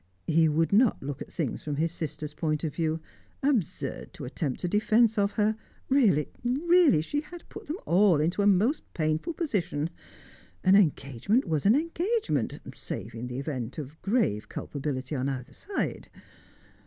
He would not look at things from his sister's point of view; absurd to attempt a defence of her; really, really, she had put them all into a most painful position! An engagement was an engagement, save in the event of grave culpability on either side.